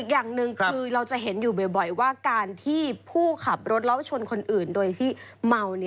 ส่งมาคุยก็ได้ครับ